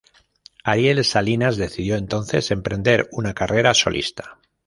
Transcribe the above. Ariel Salinas decidió entonces emprender una carrera solista.